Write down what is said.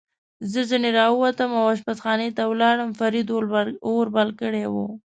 زه ځنې را ووتم او اشپزخانې ته ولاړم، فرید اور بل کړی و.